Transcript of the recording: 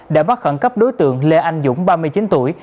đã bắt khẩn cấp đối tượng lê anh dũng ba mươi chín tuổi